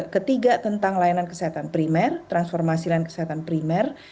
ketiga tentang layanan kesehatan primer transformasi layanan kesehatan primer